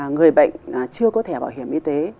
người bệnh chưa có thẻ bảo hiểm y tế